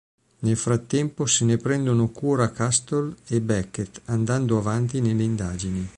Nel frattempo se ne prendono cura Castle e Beckett andando avanti nelle indagini.